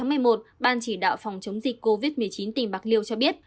ngày một mươi một ban chỉ đạo phòng chống dịch covid một mươi chín tỉnh bạc liêu cho biết